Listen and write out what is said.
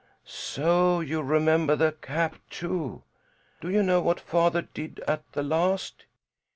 "So you remember the cap, too? Do you know what father did at the last?